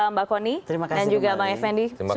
mbak kony dan juga mbak effendi